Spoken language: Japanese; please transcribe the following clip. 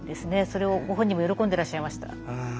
それをご本人も喜んでらっしゃいました。